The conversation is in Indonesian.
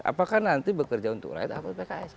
apakah nanti bekerja untuk rakyat atau pks